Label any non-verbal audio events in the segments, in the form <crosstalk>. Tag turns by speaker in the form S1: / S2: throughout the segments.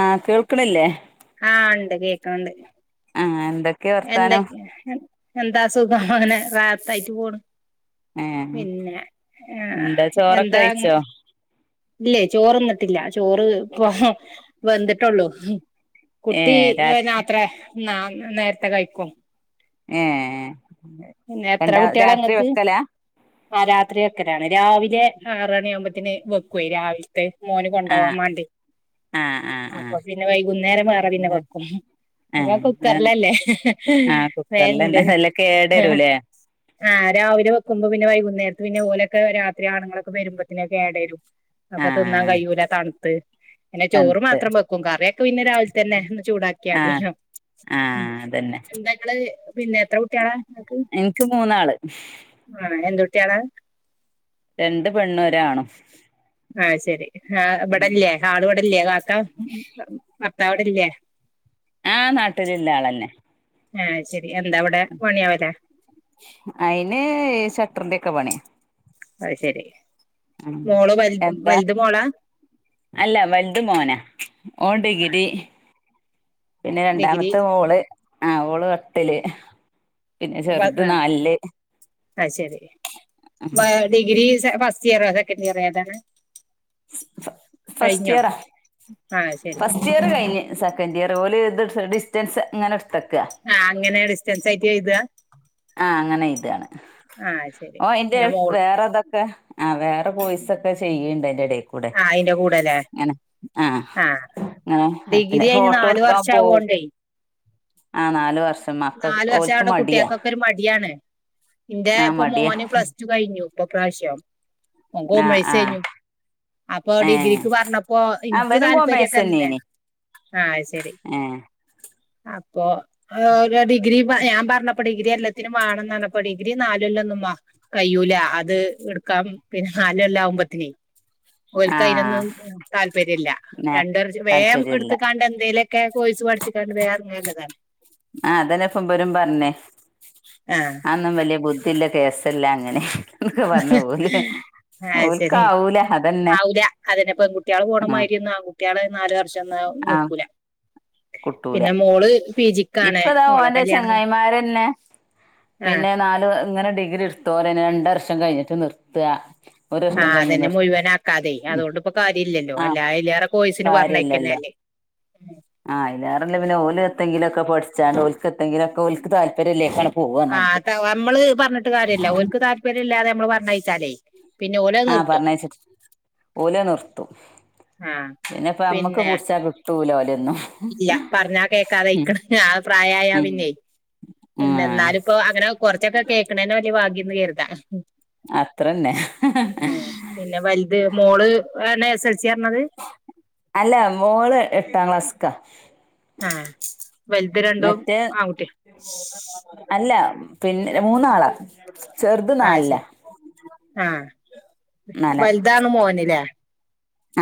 S1: ആ കേൾക്കണില്ലേ
S2: ആ ഉണ്ട് കേക്കണ്ട്
S1: ആഹ് എന്തൊക്കെയ വർത്താനം
S2: എന്തൊക്കെയ എന്താ സുഖം ആണ് രാത്ത ആയിട്ട് പോണ്
S1: ഏഹ്
S2: പിന്നെ
S1: എന്താ ചോറൊക്കെ
S2: എന്താ
S1: കഴിച്ചോ
S2: ഇല്ലേ ചോറന്നിട്ടില്ല ചോറ് ഇപ്പ വെന്തിട്ടുള്ളൂ കുട്ടി
S1: ഏഹ് രാ
S2: അത്ര ന നേരത്തെ കഴിക്കും
S1: ഏ
S2: പിന്നെ എത്ര കുട്ടികള ങ്ങക്ക് ആ രാത്രി ഒക്കരാണ് രാവിലെ ആറണിയ ആവുമ്പോത്തന് വെക്ക പോയി രാവിലത്തെ മോന് കൊണ്ട പോവാൻ
S1: ആഹ്
S2: വണ്ടി
S1: ആഹ് ആഹ്
S2: അപ്പൊ പിന്നെ വൈകുന്നേരം വേറെ പിന്നെ
S1: ആഹ്
S2: വെക്കും അതാ
S1: ഏഹ്
S2: കുക്കറിലല്ലേ
S1: ആഹ് കുക്കറിലന്നെ
S2: വേണ്ടേ
S1: നല്ല
S2: ആ
S1: കേടരൂലേ
S2: ആ രാവിലെ വെക്കുമ്പോ പിന്നെ വൈകു നേര നേരത്ത് പിന്നെ ഓലൊക്കെ രാത്രി ആണുങ്ങളൊക്കെ വരുമ്പോത്തനേ കേട വരും അപ്പൊ തിന്നാൻ
S1: ആഹ്
S2: കഴിയൂല തണുത്ത് പിന്നെ ചോറ്
S1: തണുത്ത്
S2: മാത്രം വെക്കും കറിയൊക്കെ പിന്നെ രാവിലെ തന്നെ ഒന്ന്
S1: ആഹ്
S2: ചൂടാക്കിയാതില്ലോ ഉ
S1: ആഹ് അതന്നെ
S2: എന്താ ഇക്കള് പിന്നെ എത്ര കുട്ടിയാള
S1: എൻക്ക് മൂന്നാള്
S2: അതന്നെ എന്തുട്ടിയാളാ
S1: രണ്ട് പെണ്ണു ഒരാണും
S2: ആ അത്ശരി ആ ബടല്ലേ ആള് വടല്ലേ കാക്ക അ ആ താ അവിടല്ലേ
S1: ആ നാട്ടിലില്ല ആളെന്നെ
S2: ആ അത്ശരി എന്താ അവിടെ പണിയാവലേ
S1: അയിന് ഷട്ടറിന്റെ ഒക്കെ പണി
S2: അത്ശെരി മോളോ വൽ
S1: എന്താ
S2: വൽത് മോളാ
S1: അല്ല വൽത് മോന ഓൻ
S2: ആഹ്
S1: ഡിഗ്രി പിന്നെ
S2: ഡിഗ്രി
S1: രണ്ടാമത്തെ മോള് ആ ഓള് പത്തില് പിന്നെ ചെറുത്
S2: പോര്നാ
S1: നാലില്
S2: അത്ശരി ഡിഗ്രീ ഫസ്റ്റിയറൊ സെക്കന്റിയറോ ഏതാണ്
S1: ഫസ്റ്റ്
S2: കഴിഞ്ഞോ
S1: ഇയറ
S2: ആഹ് ശരി
S1: ഫസ്റ്റ് ഇയർ കഴിഞ്ഞ് സെക്കൻഡ് ഇയർ പോലെ ഇത് ഡിസ്റ്റൻസ് അങ്ങനെട്
S2: ആഹ് അങ്ങനെ ഡിസ്റ്റന്റ്‌സ് ആയിട്ട് എഴുതാ
S1: ആ അങ്ങനെ എയ്താ
S2: ആഹ് ശരി
S1: ഓൻ ഐന്റെ
S2: പിന്നെ മോൾ
S1: വേറെതൊക്കെ ആ വേറെ കോഴ്സ് ഒക്കെ ചെയ്യണ്ടായിരുന്നു
S2: ആ അയ്ന്റെ കൂടെല്ലേ ആ
S1: അങ്ങനെ
S2: ഡിഗ്രി
S1: പിന്നെ
S2: കയ്ഞ്ഞ്
S1: ഫോട്ടോ
S2: നാല്
S1: എടുക്കാൻ പോവും
S2: വർഷാവോണ്ട് ഒരെയ്
S1: ആ നാല് വർഷം മക്ക
S2: നാല് വർഷ
S1: ഓൽക്ക്
S2: അവിടെ
S1: മടിയാ
S2: കുട്ട്യാക്കൊക്കെ ഒരു മടിയാണ് ഇന്റെ
S1: ആ
S2: ഇപ്പൊ
S1: മടിയാ
S2: മോന് പ്ലസ് ടു കഴിഞ്ഞു ഇപ്പൊ പ്രാവശ്യോ ഓൻ
S1: ആ ആ
S2: കോമേഴ്‌സേയ്ഞ്ഞു അപ്പൊ
S1: ഏ
S2: ഡിഗ്രിക്ക് പറഞ്ഞപ്പോ
S1: ആ
S2: ഇൻക്ക്
S1: ഇവനും
S2: താല്പര്യൊക്കെ
S1: കോമേഴ്സന്നേനി
S2: ആ അത്ശരി
S1: ഏ
S2: അപ്പൊ ആ ഡിഗ്രി ഞാൻ പറഞ്ഞപ്പൊ പ്പൊ ഡിഗ്രി എല്ലാത്തിനും മാണന്നർഞ്ഞപ്പോ ഡിഗ്രി നാലൊല്ലൊന്നുംമ്മാ കയ്യൂല അത് ഇടുക്കാം പിന്നെ നാലൊല്ലാവുമ്പത്തിന്
S1: ആഹ്
S2: ഓൽക്കയിലൊന്നും താല്പര്യല്ല
S1: നേ
S2: രണ്ടൊല്ല വേം
S1: താല്പര്യല്ല
S2: എടുത്ത്ക്കാണ്ട് എന്തേലു ക്കെ കോഴ്സ് പഠിച്ചിക്കാണ്ട്
S1: ആ അതന്നെപ്പോ ഇബനും പറഞ്ഞേ
S2: ആഹ്
S1: അന്നും വലിയ ബുദ്ധി ല്ല കേസല്ല അങ്ങനെ എന്നൊക്കെ പറഞ്ഞു ഓല് ഓൽക്കാവൂല അതന്നെ
S2: ആവൂലാ അതന്നേപ്പോ പെൺകുട്ട്യാള്
S1: ആഹ്
S2: പോണമായിരിഒന്നും ആൺകുട്ട്യാള് നാല് വർഷൊന്നും
S1: ആഹ്
S2: നിക്കൂല
S1: കുട്ടൂല
S2: പിന്നെ മോള് പി ജിക്കാണ്
S1: ഇപ്പതാ
S2: ഓളെ
S1: ഓന്റെ
S2: കല്യാണം
S1: ചങ്ങായിമാരന്നെ
S2: ആഹ്
S1: പിന്നെ നാല് ഇങ്ങനെ ഡിഗ്രി ഇട്തോലെന്നേ രണ്ടർഷം കഴിഞ്ഞിട്ട് നിർത്താ ഒരു വർഷം
S2: ആഹ്
S1: കഴിഞ്ഞ്
S2: അതന്നെ
S1: നിർത്ത
S2: മുഴുവനാക്കാതെയ്
S1: ഉം
S2: അതുകൊണ്ട്പ്പൊ കാര്യല്ലല്ലോ
S1: ആഹ്
S2: അല്ലാ ആയിലേറെ കോയ്സിന് പറഞ്ഞയക്കന്നെ നല്ലത്
S1: ആ അയ്ലേറെ നല്ലത് പിന്നെ ഓലെത്തെങ്കിലുഒക്കെ പഠിച്ചാണ്ട് ഓൽക്ക് എത്തെങ്കിലും ഒക്കോൽക്ക് താല്പര്യല്ലേ പ്പളും
S2: ആ അതവാ നമ്മള് പറഞ്ഞിട്ട് കാര്യല്ല ഓൽക്ക് താല്പര്യല്ലാതെ നമ്മള് പറഞ്ഞയച്ചാലേയ്
S1: ആ പറഞ്ഞയച്ചിട്ട് ഓലത്നിർത്തും
S2: ആഹ്
S1: പിന്നെപ്പ നമ്മക്ക്
S2: പിന്നെ
S1: പുടിച്ചാ കിട്ടൂല ഓലെ
S2: ഇല്ല പറഞ്ഞാ കേക്കാതെ അയ്ക്ക്ണ് ആ പ്രായായാ
S1: ഉം
S2: പിന്നെയ് പിന്നെ
S1: ആഹ്
S2: ന്നാല്പ്പോ അങ്ങനെ കൊറച്ചൊക്കെ കേൾക്കണേനെ വല്ല്യ ഭാഗ്യംന്ന് കര്താ
S1: അത്രന്നെ
S2: ഉം പിന്നെ വൽത് മോള് ആനെ
S1: അല്ല മോള് എട്ടാം ക്ലാസ്സ്ക്കാ
S2: ആ വൽത് രണ്ടും ആൺകുട്ട്യാ
S1: അല്ല പിന്നെ മൂന്നാളാ ചെറുത്
S2: ആ
S1: നാലിലാ
S2: ശരി ആ വൽതാണ് മോന്ലെ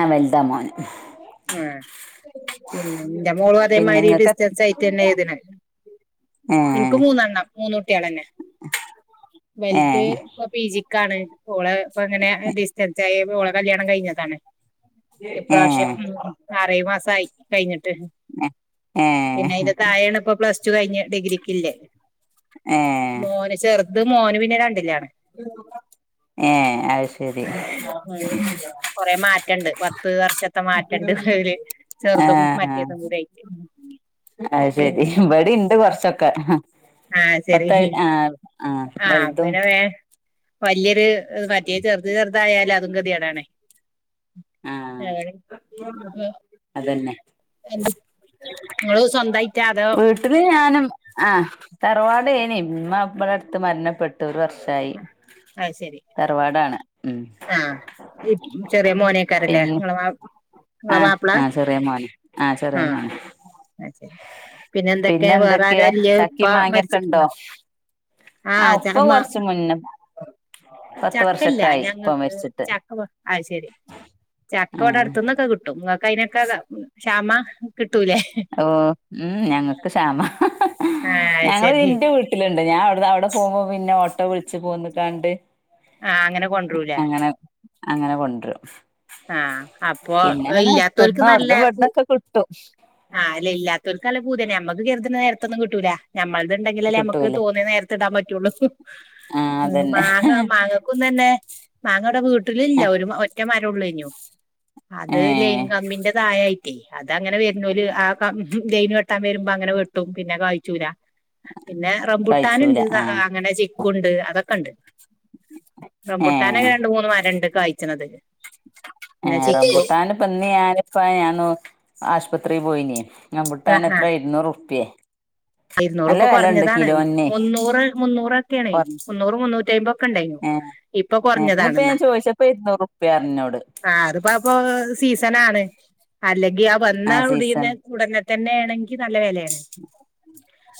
S1: ആ വൽതാ മോന്
S2: ആ പിന്നെ ന്റെ മോളും
S1: പിന്നെ
S2: അതേമാതിരി
S1: ഇങ്ങക്ക്
S2: ഡിസ്റ്റസ് ആയിട്ടന്നെ എയ്ത്ണ് ഇൻക്ക്
S1: ഏഹ്
S2: മൂന്നെണ്ണം മൂന്നുട്ട് വെല്ത്
S1: ഏഹ്
S2: ഇപ്പ പിജിക്കാണ് ഓള് ഇപ്പങ്ങനെ ഡിസ്റ്റൻസ് ആയ ഓള കല്യാണം കഴിഞ്ഞതാണ്
S1: ഏ
S2: ഇപ്രാവശ്യം ഉം ആറേയ് മാസായി കഴിഞ്ഞിട്ട് പിന്നെ
S1: ഏഹ്
S2: ഇതൊക്കൊയേണെ ഇപ്പ പ്ലസ് ടു കഴിഞ്ഞ് ഡിഗ്രക്കില്ലേ
S1: ഏ
S2: അത് മോനു പിന്നെ രണ്ടിലാണ്
S1: ഏ അത് ശരി
S2: ഉം ഉം കൊറെ മാറ്റണ്ട് പത്ത് വർഷത്തെ മാറ്റണ്ട് അവര് ചെറുതും മറ്റേതും കൂടൊയിട്ട്
S1: അയ്ശെരി ഇബ്ടി ഇണ്ട് കൊറച്ചൊക്കെ
S2: ആ ശരി
S1: പത്തായി ആ ആ വലുതും
S2: വല്യേത് മറ്റേ ചെറുത് ചെറുതായാലും അതും ഗതികേടാണേ
S1: ആ
S2: ആണ് <unintelligible>
S1: അതന്നെ
S2: എന്ത് ങ്ങള് സ്വന്തായി
S1: വീട്ടില് ഞാനും ആ തറവാടേനി ഇമ്മബ്ടടത്ത് മരണപ്പെട്ടു ഒരു വർ ഷായി
S2: അത് ശരി
S1: തറവാടാണ്. ഉം
S2: ഈ ചെറിയ മോനേക്കാരല്ലേ
S1: പിന്നെ
S2: നിങ്ങളെ മാപ്
S1: ആ
S2: ഇങ്ങളെ മാപ്പിള.
S1: ആ ചെറിയ മോന്
S2: ആ
S1: ചെറിയ മോന്
S2: അത് ശെരി പിന്നെ എന്തൊക്കെ വേറെ
S1: എന്തൊക്കെയ
S2: ആരാല്ല്യെ
S1: ചക്കി
S2: ഉപ്പാ
S1: മാങ്ങിയൊക്കെ ഉണ്ടോ
S2: മരിച്ചിട്ട്ണ്ട ആ
S1: ഉപ്പ
S2: ചകമാ
S1: കൊറച്ച് മുന്നേ പത്ത്
S2: ചക്കല്ല്യ
S1: വർഷൊക്കെ ആയി
S2: ഞങ്ങ
S1: ഉപ്പ മരിച്ചിട്ട്
S2: ചക്ക അത് ശരി
S1: ആ
S2: ചക്കവടടുത്തുന്നൊക്കെ കിട്ടും. ഇങ്ങക്ക് അയിനെക്കാത ശാമാ? കിട്
S1: ഓ ഉം ഞങ്ങക്ക് ശാമാ
S2: ആഹ് അത്
S1: ഞങ്ങള്
S2: ശരി
S1: ഇന്റെ വീട്ടിലുണ്ട് ഞാൻ അവിടെ അവിടെ പോകുമ്പോ പിന്നെ ഓട്ടോ വിളിച്ച് പോന്ന് കാണ്ട്
S2: ആ അങ്ങനെ കൊണ്ടരൂലേ
S1: അങ്ങനെ കൊണ്ടരും
S2: ആഹ് അപ്പൊ
S1: പിന്നെ അങ്ങനെ അടുത്തന്നും അവിടുന്ന്ഇവ്ട്ന്നൊക്കെ കിട്ടും
S2: ആ അല്ല ഇല്ലാത്തൊര്ക്ക് നല്ല പൂത്യാന്നെ ഞമ്മക്ക് കര്തുന്ന നേരത്തൊന്നും കിട്ടൂല ഞമ്മൾത് ഉണ്ടെങ്കിലല്ലേ ഞമക്ക്
S1: കിട്ടൂലേ
S2: തോന്നിയ നേരത്തിടാൻ പറ്റുള്ളു ആ മാങ്ങ മാങ്ങക്കുന്നന്നെ മാങ്ങവടെ വീട്ടിലില്ല ഒരു ഒറ്റ മരംള്ളുനു
S1: ഏ
S2: അത് ലെയിൻ കമ്മിന്റെ തായായി ട്ടെ അതങ്ങനെ വര്ന്നോല് ആ ക ലെയിന് വെട്ടാൻ വരുമ്പോ അങ്ങനെ വെട്ടും പിന്നെ കായ്ച്ചൂല പിന്നെ
S1: കഴിച്ചൂല
S2: റംബൂട്ടാന്ണ്ട്
S1: ആ
S2: അങ്ങനെ ചിക്കുണ്ട് അതൊക്കെണ്ട്.
S1: ഏ
S2: റംമ്പുട്ടാനൊക്കെ രണ്ട് മൂന്ന് മരണ്ട് കാഴ്ച്ചണത്.
S1: റംമ്പുട്ടാനിപന്ന് ഞാനിപ്പ ഞാന്ന് ആശുപത്രി പോയിന് റംമ്പൂട്ടാൻ എത്ര ഇരുന്നൂറുറുപ്പ്യേ
S2: ഇരുന്നൂറ്പ്പൊ കുറഞ്ഞതാണ് മുന്നൂറ് മുന്നൂറൊക്കെയാണേ
S1: കൊറ
S2: മുന്നൂറ് മുന്നൂറ്റി അയ്മ്പൊക്കെണ്ടേനു
S1: ഏ ഏ ന്നിപ്പ ഞാൻ ചോയ്ച്ചപ്പോ ഇരുന്നൂറുപ്പ്യറിഞ്ഞെന്നോട്
S2: ആ അത്പാപ്പോ സീസണാണ് അല്ലെങ്കി ആ വന്നാ ഉടിന്നു ഉടനെ തന്നെയാണെങ്കി നല്ല വെലയാണ്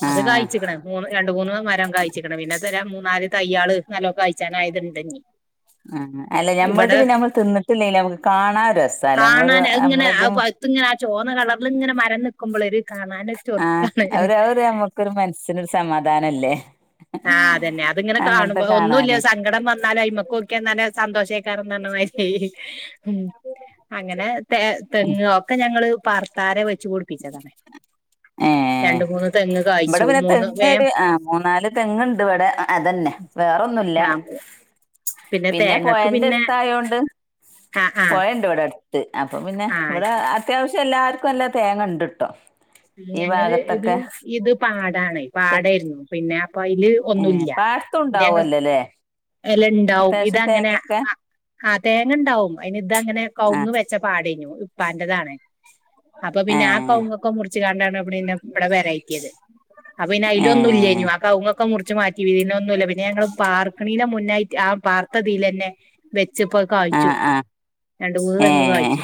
S1: ആ
S2: അത് കായ്ച്ചിക്കണ മൂന്ന് രണ്ട് മൂന്ന് മരം കായച്ചിക്കണ് പിന്നെ മൂന്നാല് തയ്യാള് നല്ലോ കായ്ച്ചാനായതണ്ട് ഇന്നി
S1: ആ അല്ല ഞമ്മൾത് പിന്നെ നമ്മള് തിന്നിട്ടില്ലേലും നമ്മക്ക് കാണാ ഒരസ്സാല്ലേ നമ്മളൊരു
S2: കാണാൻ ആ
S1: നമ്മളദ്
S2: ഇങ്ങനെ പഴുത്തിങ്ങനെ ആ ചോന്ന കളറ്ല് ഇങ്ങനെ മരം നിക്കുമ്പൊളെ ഒരു കാണാനൊ ചൊറ്ക്കാണ്
S1: അത് നമുക്കൊരു മനസ്സിനൊരു സമാധാനല്ലേ
S2: ആഹ് അതന്നെ അത് ഇങ്ങനെ
S1: അങ്ങനത്തെ
S2: കാണുമ്പോ ഒന്നുല്ല്യ
S1: കാണാന്
S2: സങ്കടം വന്നാലു അയ്മ്മക്ക ഓക്ക്യ സന്തോശേ ക്കാരും പറഞ്ഞ മാതിരി അങ്ങനെ തെ തെങ്ങ് ഒക്കെ ഞങ്ങള് പാർത്താരെ വെ ച്ചു പൊടിപ്പിച്ചതാണ്
S1: ഏഹ്
S2: രണ്ട് മൂന്ന് തെങ്ങ്
S1: ഇവിടെ
S2: കായ്ച്ചു
S1: പിന്നെ
S2: മൂന്ന്
S1: തെങ്ങ്
S2: വേം
S1: ഒരു ആഹ് മൂന്നാല് തെങ്ങുണ്ട് വടെ അതന്നെ വേറൊന്നുല്ല്യ
S2: ആ
S1: പിന്നെ
S2: തേങ്ങക്ക് പിന്നെ
S1: പൊഴാന്റെസ്‌ത്തായോണ്ട്.
S2: ആ ആ
S1: പോയണ്ട് ഇവിടെ അടുത്ത് അപ്പൊ പിന്നെ
S2: ആ
S1: ഇവിടെ അത്യാവശ്യം എല്ലാർക്കും എല്ലാ തേങ്ങ ഇണ്ട്ട്ടോ.
S2: ഉം ഞങ്ങള് ഇത് ഇത് പാടാണ് പാടായിരുന്നു പിന്നെ അപ്പയില് ഒന്നും
S1: ഏഹ്
S2: ഇല്ല
S1: പാടത്തും
S2: പിന്നെ ഞങ്ങള്
S1: ഉണ്ടാവല്ലോല്ലേ
S2: എല്ലാണ്ടാവും
S1: അത്യാവശ്യം
S2: ഇതങ്ങനെ ആ
S1: തേങ്ങൊക്കെ
S2: ആഹ് തേങ്ങ ഇണ്ടാവും അയിന് ഇത് അങ്ങനെ കവുങ്
S1: ആഹ്
S2: വെച്ച പാടേനു. ഇപ്പാന്റതാണ് അപ്പൊ പിന്നെ ആ
S1: ഏഹ്
S2: കൗങ്ങൊക്കെ മുറിച്ച് കാണ്ടാണ് ഇവിടെ പിന്നെ ഇവിടെ പെരേറ്റിയത്. അപ്പൊ പിന്ന അയിലൊന്നും ഇല്ലായി
S1: ഏഹ്
S2: നു ആ കവു ങ്ങാക്കെ മുറിച്ച് മാറ്റി പിന്നെന്നുല്ല പിന്നെ ഞങ്ങള് പാർ മുന്നായിറ്റ് ആ പാർത്തതിലെന്നെ വെച് ഇപ്പോ അത് കായ്ച്ചു.
S1: ആഹ് ആഹ്
S2: രണ്ട് മൂന്ന് തെങ്ങ്
S1: ഏഹ്
S2: കായ്ച്ചു.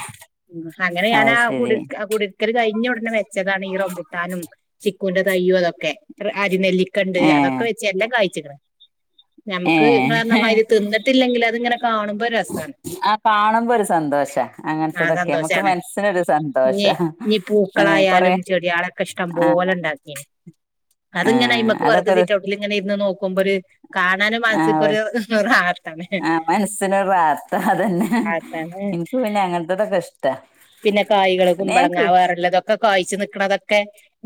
S2: ഉ അങ്ങനെ
S1: അത്
S2: ഞാനാ ആ കു
S1: ശരി
S2: കുടിർക്കൽ കഴിഞ്ഞ ഉടനെ വെച്ചതാണ് ഈ റംബുട്ടാനും ചി ക്കൂന്റെ തൈയും അതൊക്കെ അരി നെല്ലിക്കണ്ട്
S1: ഏ
S2: അതൊക്കെ വെച്ച എല്ലാം കായ്ച്ചിക്ണ്.
S1: ഏ
S2: ഞമ്മക്ക് ഇങ്ങള് പറഞ്ഞാമാതിരി തിന്നിട്ടില്ലെങ്കിൽ അത് ഇങ്ങനെ കാണുമ്പോ രസാണ്
S1: ആ കാണുമ്പോ ഒരു സന്തോഷം
S2: ആ
S1: അങ്ങനത്തതൊക്കെ നമക്ക്
S2: സന്തോഷാണ്
S1: മനസ്സിനൊരു സന്തോഷ അ
S2: ആയാലും ചെടിയളൊക്കെ ഇഷ്ടം പോലെ ഇണ്ടാക്കീന്
S1: ആ
S2: അത്ങ്ങനെ അയ്മക്ക്
S1: അതൊക്കെ
S2: വെറുതെ
S1: ഒരു
S2: സിറ്റ് ഔട്ടിൽ ഇങ്ങനെ ഇരുന്ന് നോക്കുമ്പോ ഒരു കാണാന്
S1: ആ ഒരു
S2: മനസ്ക്കൊരു റാ
S1: ആ മനസ്സിനൊരു റാഹത്ത അതന്നെ
S2: റാഹത്താണ്
S1: എനിക്ക് പിന്നെ അങ്ങത്തതൊക്കെ ഇഷ്ടാ.
S2: പിന്നെ കായ്കള്
S1: പിന്നെ ഞാൻ
S2: കുമ്പളങ്ങ
S1: കൃ
S2: വേറള്ള ഇതൊക്കെ കായ്ച്ച് നിക്കണത്. ഒക്കെ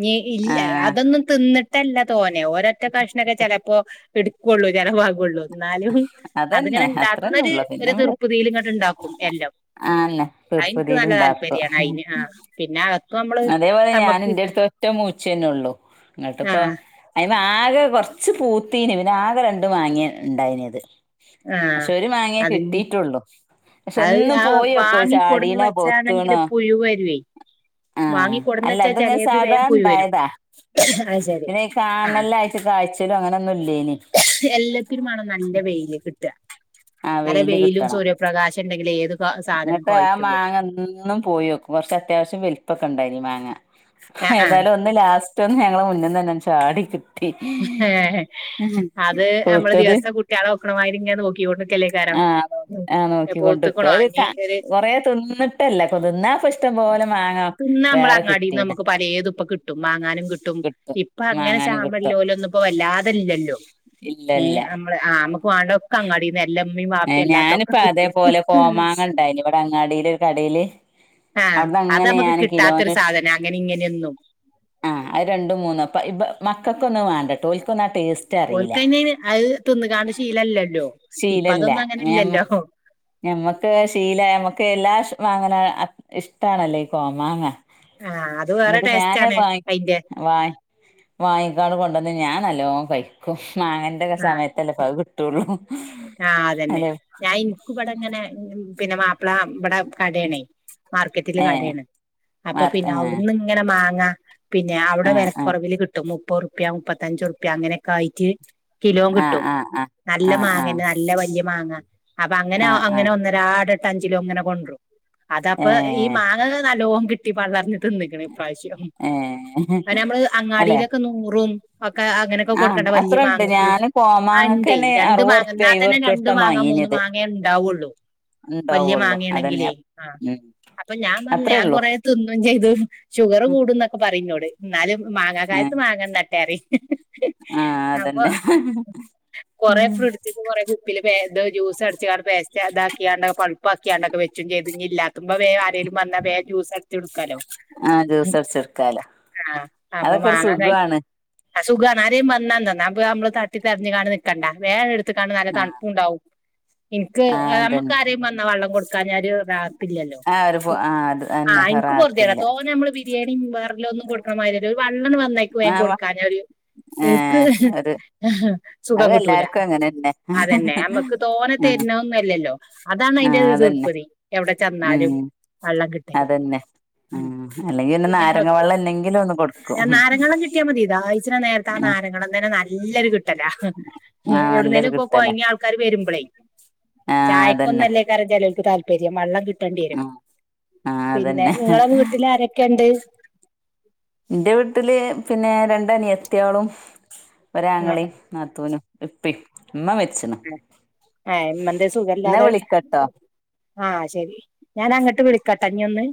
S2: ഞ് ഇല്ല
S1: ആ
S2: അതൊന്നും തിന്നിട്ടല്ല തോന്നെ ഓരോറ്റ കഷ്ണൊക്കെ ചെലപ്പോ ഇട്ക്കൊള്ളൂ ചെലവാകൊള്ളു. എന്നാലും അതിങ്ങനെ
S1: അതന്നെ
S2: ഇണ്ടാക്കുന്ന
S1: അത്രന്നെ ഉള്ളു പിന്നെ
S2: ഒരു
S1: നമ്മള്
S2: തീർപ്പതിൽ ഇങ്ങനെ ഇണ്ടാക്കും എല്ലാം
S1: ആന്നെ
S2: അതെനിക്ക്
S1: തിർപ്പതീൽ
S2: നല്ല താല്പര്യാണ്
S1: ഇണ്ടാക്കും.
S2: അയിന് ആ പിന്നെ അകത്ത് നമ്മള്
S1: അതേപോലെ ഞാൻ
S2: നമ്മക്ക്
S1: ന്റെ ടുത്ത് ഒറ്റോ മൂചിന്നെ ഒള്ളു ഇങ്ങട്ട്
S2: ആ
S1: ഇപ്പോ അ ആകെ കൊറച്ച് പൂത്തീനി പിന്നെ ആകെ രണ്ടും മാങ്ങയ ഇണ്ടായ്നത്
S2: ആ
S1: പക്ഷെ ഒരു മാങ്ങ
S2: അതിന്
S1: കിട്ടീട്ടുള്ളൂ. പക്ഷെ
S2: അത്
S1: എന്നും
S2: ആ
S1: പോയോകും അത്
S2: വാങ്ങിക്കൊടുന്ന്
S1: ചാടീണോ
S2: വെച്ചാണെങ്കില്
S1: പവ്ത്തുണോ.
S2: പുഴു വരുവേ
S1: ആ
S2: വാങ്ങിക്കൊടുന്ന്
S1: അല്ല
S2: വെച്ചാ
S1: ഇത്ങ്ങെ
S2: ചെലേത് വേം പുഴു വരും
S1: സാധാണ്ടായതാ.
S2: ആ
S1: പിന്നെ കാനലായിട്ട് കാഴ്ചലും അങ്ങനെൊന്നും ഇല്ലനി
S2: എല്ലാത്തിനു മാണം നല്ല വെയില് കിട്ട.
S1: ആ
S2: നല്ല വെയിലും സൂര്യപ്രകാശംണ്ടെങ്കിൽ ഏത് ക- സാധനം
S1: ഇങ്ങട്ട് ആ
S2: കോയ്ക്കുള്ളൂ
S1: മാങ്ങന്നും പോയോ ക്കും കുറച് അത്യാവശ്യം വലിപ്പൊക്കെ ഇണ്ടായി നി മാങ്ങ.
S2: ആ ആ
S1: ഏതായാലും ഒന്ന് ലാസ്റ്റ് ഒന്ന് ഞങ്ങള് മുന്ന്ന്നന്നെ ചാടിക്കിട്ടി.
S2: ആ അത് നമ്മള്
S1: പൂത്തത്
S2: ദിവസത്തെ കുട്ടികളെ നോക്ക്ണമാതിരിങ്ങ നെ നോക്കി യോണ്ട് നിക്കലേ ക്കാരും.
S1: ആഹ് നോക്കി ആഹ്
S2: എ പൗത്തേ
S1: നോക്കിക്കൊണ്ട്ക്കും കൊറേ തിന്നിട്ടല്ലേ തിന്നാപ്പ ഇഷ്ടം പോലെ മാങ്ങ വേറെ കിട്ടീണ്.
S2: പലേ തുപ്പ കിട്ടും വങ്ങാനും കിട്ടും ഇപ്പ അങ്ങനെ
S1: മാങ്ങാനും കിട്ടും
S2: ഇലോ ലൊന്നും ഇപ്പംവല്ലാതെ ലല്ലോ
S1: ഇല്ല
S2: ഏ
S1: ഇല്ല
S2: നമക്ക് വാണ്ട തൊക്കെ അങ്ങാടിന്ന് എ മ്മി വാപ്പി അല്ലാത്ത തൊക്കെ
S1: ഞാനിപ്പ
S2: കിട്ടും.
S1: അതേപോലെ കോമാങ്ങ ഇണ്ടായിന് ഇവിടെ അങ്ങാടില് ഒരു കടയില്
S2: ആ
S1: അവിടുന്ന് അങ്ങനെ
S2: അത്മുക്ക്
S1: ഞാൻ
S2: കിട്ടാത്തൊരു സാധനം അങ്ങനിം ഇങ്ങനൊന്നും.
S1: ആ അത് രണ്ടും മൂന്നും അപ്പ ഇ മക്കൾക്കൊന്നും അത് വാണ്ട ട്ടോ ഓൽ
S2: ഓൽ കയിന് അത് തിന്നകാങ്ങ ശീലല്ലല്ലോ?
S1: ഇല്ല ഇല്ല
S2: അതൊന്നും അങ്ങനെ ഇല്ലല്ലോ
S1: ഞമ്മക്ക് അത് ശീലായി ഞമ്മക്ക് എല്ലാ മാങ്ങ പോലെ ഇഷ്ടാണല്ലേ ഈ കോമാങ്ങ.
S2: ആഹ് അത് വേറെ
S1: എന്നിട്ട്
S2: ടേസ്റ്റ്
S1: ഞാന്
S2: ആണ്
S1: വാ
S2: അയിന്റെ
S1: വ വാങ്ങിക്കാട് കൊണ്ടന്ന് ഞാൻ. നല്ലോ കഴിക്കും മാങ്ങേന്റെക്കെ സമയത്തല്ലപ്പ അത് കിട്ടുള്ളൂ.
S2: ആ അതന്നെ
S1: അല്ലെ
S2: ഞാൻ ഇനിക്ക ഇവിടെ ഇങ്ങനെ പിന്നെ മാപ്പിള ഇവിടെ കടയണേ മാർക്കറ്റില്
S1: ഏ
S2: കടയാണ് അപ്പൊ
S1: മാ
S2: പിന്നെ
S1: ഏ
S2: അവിടുന്ന് ഇങ്ങനെ മാങ്ങാ. പിന്നെ അവിടെ
S1: ആ ആ
S2: വിലക്കുറവില് കിട്ടും മുപ്പ റുപ്യ മുപ്പത്തഞ്ചു റുപ്യ അങ്ങനെയൊക്കെ ആയിട്ട് കി ലോം
S1: ആ
S2: കിട്ടും
S1: ആ ആ
S2: നല്ല
S1: ആ
S2: മാ ല്ല വലി മാങ്ങ അപ്പൊ അങ്ങനെ
S1: ആ ആ ആ
S2: അങ്ങനെ ഒന്നരാട് എട്ട് അഞ്ചിലോ അങ്ങനെ കൊണ്ട് വരും അതപ്പ
S1: ഏ
S2: ഈ മാങ്ങക്കെ നല്ലോം കിട്ടി പള്ളർന്ന തിന്ന്ക്ക്ണ് ഈ പ്രാവശ്യം
S1: ഏ
S2: അ നമ്മള്
S1: അല്ലെ
S2: അങ്ങാടിയിലൊക്കെ നൂറും അങ്ങനെയൊക്കെ
S1: ആ
S2: കൊടുക്കണ്ട വലിയ
S1: അത്രണ്ട്
S2: മാങ്ങക്ക്
S1: ഞാന്
S2: ഉണ്ടെ
S1: കോമാങ്ങക്കന്നെ
S2: രണ്ട് മാങ്ങക്ക്
S1: അറുപതുറുപ്യ
S2: എന്നാൽ തന്നെ
S1: അയ്മ്പതുറുപ്യ
S2: രണ്ടു
S1: കൊടുത്താ
S2: മാങ്ങ മൂന്ന്
S1: വാങ്ങീനത്
S2: മാങ്ങേ ഉണ്ടാവുള്ളൂ വല്യ
S1: ഉണ്ടാവുള്ളു
S2: മാങ്ങയണെങ്കിലേ
S1: അതന്നെ
S2: ആ
S1: ഉം
S2: അപ്പൊ ഞാൻ പറഞ്ഞു
S1: അത്രേ
S2: ഞാൻ
S1: ഉള്ളൂ
S2: കൊറെതിന്നും ചെയ്തു ഷുഗർ കൂടുംന്നൊക്കെ പറയുംഞ്ഞോട് എന്നാലും മാങ്ങ
S1: ഏ
S2: കാലത്ത് മാങ്ങാന്ന്ട്ടെ
S1: പിന്നെ
S2: കുറെ ഫ്രഡ്ജിക്ക്‌ കുറെ കുപ്പില് ജ്യൂസ് അടിച്ച് പേസ്റ്റ് അതാക്കിയാണ്ടെ പ ഉപ്പക്കാണ്ടൊക്കെ വെച്ചും ചെയ്ത് ഇല്ലാത്തുമ്പ വേറെ ആരലും വന്നാ വേ ജൂസ് അടിച്ച് കൊടുക്കാലോ
S1: ആ ജ്യൂസ് അടിച്ചെടുക്കാലോ
S2: ആ
S1: അതൊക്കെ ഒരു സുഖമാണ്
S2: ആ സുഖണ് ആരെയും വന്നാ തന്നാ അപ്പ നമ്മള് തട്ടി തടഞ്ഞു അങ്ങാണ്ട് നിക്കണ്ട വേഗ എടുത്ത് കാണ നല്ല
S1: ആ
S2: തണുപ്പും ഉണ്ടാവും. എനിക്ക്
S1: ആ അതന്നെ
S2: നമ്മക്ക് ആരേലും വന്ന വള്ളം കൊടുക്ക <unintelligible> ല്ലല്ലോ
S1: ആ ഒരു ഫോ- ആ അത്
S2: ആ
S1: തന്നെ
S2: എനിക്ക് പറ
S1: റാഹത്തില്ല
S2: തോനെ നമ്മ ബിരിയാണിയും വേറിലൊ ഒന്നും കൊടക്കണ മാതിരി അല്ല ഒരു വെള്ളണം വന്നേക്ക്
S1: ആ
S2: വേഗം
S1: വ-
S2: കൊടുക്കാ ഒരു
S1: ഏ
S2: എനിക്ക്
S1: ഒരു
S2: സുഖം
S1: അത്
S2: കിട്ടൂല
S1: എല്ലാർക്കും അങ്ങനെന്നെ
S2: അതന്നെ നമുക്ക് തോനെ
S1: ആ
S2: തരുന്നൊന്ന അല്ലല്ലോ അതാണ്
S1: ആ
S2: അതിന്റെ
S1: അതന്നെ
S2: തൃപ്പതി എവിടെ ന്നാലും
S1: ഉം
S2: വള്ളം കിട്ടല്
S1: അതന്നെ ആ
S2: ന്ന
S1: അല്ലെങ്കി പിന്നെ നാരങ്ങ
S2: നിങ്ങൾക്ക്
S1: വെള്ളം ഇല്ലെങ്കിലും ഒന്ന് കൊടുക്കും
S2: നാരങ്ങളാം കിട്ടിയാൽ മതി ദാഹിച്ചന നേരത്തെ ആ നാരങ്ങ ങ്ങളതന്നെ നല്ലൊരു കിട്ടല്ല ഉ
S1: ആ നല്ലൊരു
S2: എവിടുന്നേലും ഒക്കെ
S1: കിട്ടലാ
S2: കൊഴഞ്ഞ് ആൾക്കാര് വരുമ്പോളേ
S1: ആ അതന്നെ
S2: ചായക്കൊന്നല്ലേ കാര ചിലൾക്ക് താല്പര്യം വരിയ വള്ളം കിട്ടേണ്ടി വരും
S1: ആ ആ
S2: പിന്നെ
S1: അതന്നെ
S2: നിങ്ങളെ വീട്ടിൽ ആരൊക്കെ ഉണ്ട്
S1: എന്റെ വീട്ടില് പിന്നെ രണ്ട് അനിയത്തികളും
S2: ആ
S1: ഒരാങ്ങളയും നാത്തൂനും ഇത്തി
S2: ഉ ആ ഉമ്മന്ത്
S1: എന്നാ
S2: സുഖമല്ലാതെ
S1: വിളിക്കട്ടോ
S2: ആ ശരി ഞാൻ അങ്ങോട്ട് വിളിക്കട്ടെ ഇനി ഒന്ന്